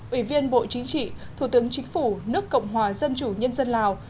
ủy viên bộ chính trị thủ tướng chính phủ nước cộng hòa dân chủ nhân dân lào